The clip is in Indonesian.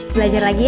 belajar lagi ya